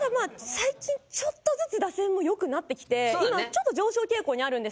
最近ちょっとずつ打線も良くなってきて今ちょっと上昇傾向にあるんですよ。